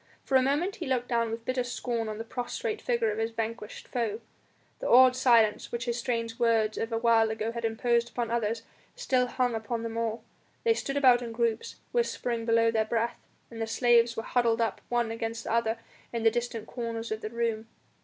For a moment he looked down with bitter scorn on the prostrate figure of his vanquished foe. The awed silence which his strange words of a while ago had imposed upon the others, still hung upon them all. They stood about in groups, whispering below their breath, and the slaves were huddled up one against the other in the distant corners of the room.